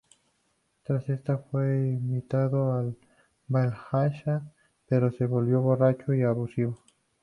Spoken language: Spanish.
Tras esta, fue invitado al Valhalla, pero se volvió borracho y abusivo.